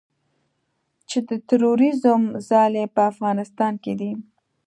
چې د تروریزم ځالې په افغانستان کې دي